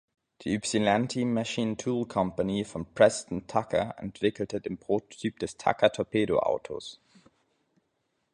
Die Ypsilanti Machine Tool Company von Preston Tucker entwickelte den Prototyp des „Tucker-Torpedo-Autos“.